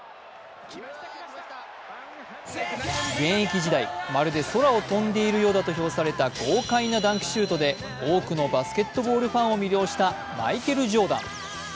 現役時代、まるで空を飛んでいるようだと評された豪快なダンクシュートで大きくバスケットボールファンを魅了したマイケル・ジョーダン。